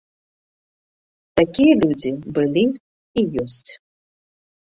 Такія людзі былі і ёсць.